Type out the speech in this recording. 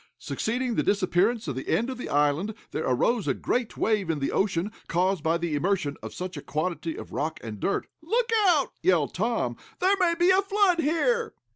Succeeding the disappearance of the end of the island there arose a great wave in the ocean, caused by the immersion of such a quantity of rock and dirt. "Look out!" yelled Tom, "there may be a flood here!"